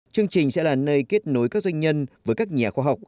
chương trình sẽ là nơi kết nối các doanh nhân với các nhà khoa học